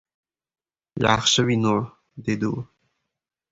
– Yaxshi vino, – dedi u.